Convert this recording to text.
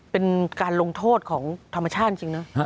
เป็นการลงโทษของธรรมชาติจริงนะ